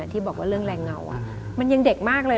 ที่บอกว่าเรื่องแรงเงามันยังเด็กมากเลย